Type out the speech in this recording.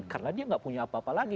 karena dia gak punya apa apa lagi